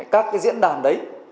các cái diễn đàn đấy